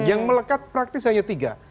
yang melekat praktis hanya tiga